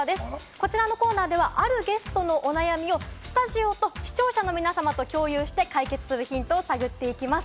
こちらのコーナーでは、あるゲストの悩みをスタジオと視聴者の皆さまと共有して解決するヒントを探っていきます。